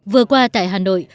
vừa qua tại hà nội